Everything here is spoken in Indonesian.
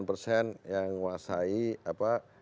sembilan puluh sembilan persen yang nguasai apa